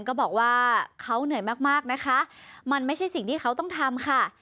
ก็บอกว่าเขาเหนื่อยมากนะคะมันไม่ใช่สิ่งที่เขาต้องทำค่ะ